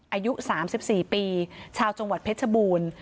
อายุ๓๔ปีชาวจังหวัดเพชรบูรณ์